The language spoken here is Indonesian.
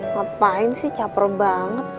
ngapain sih caper banget